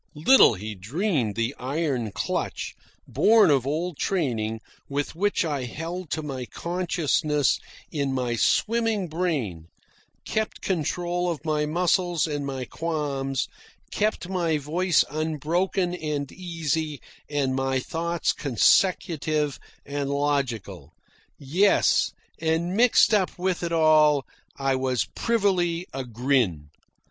Little he dreamed the iron clutch, born of old training, with which I held to my consciousness in my swimming brain, kept control of my muscles and my qualms, kept my voice unbroken and easy and my thoughts consecutive and logical. Yes, and mixed up with it all I was privily a grin.